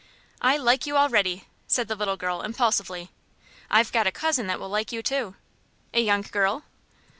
"I like you already," said the little girl, impulsively. "I've got a cousin that will like you, too." "A young girl?"